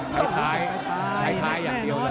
ใครท้ายใครท้ายอย่างเดียวกัน